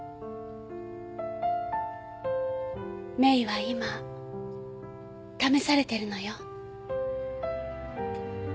メイは今試されてるのよ。